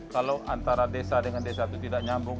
kalau antara desa dengan desa itu tidak nyambung